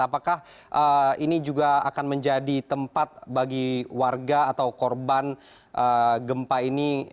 apakah ini juga akan menjadi tempat bagi warga atau korban gempa ini